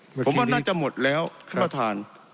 หมดแล้วผมว่าน่าจะหมดแล้วท่านประทาน